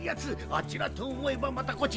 あちらとおもえばまたこちら。